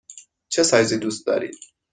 چه سایزی دوست دارید؟